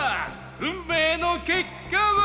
運命の結果は？